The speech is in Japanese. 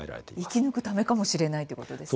生き抜くためかもしれないということですね。